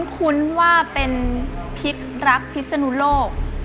คุ้นว่าเป็นพิษรักพิศนุโลก